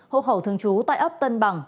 hộ khẩu thường trú tại ốc tân bằng